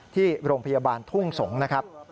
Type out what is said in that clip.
ที่โรงพยาบาลทุ่งสงศ์นะครับ